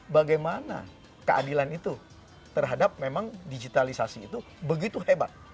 bagaimana keadilan itu terhadap memang digitalisasi itu begitu hebat